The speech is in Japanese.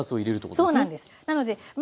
そうなんです。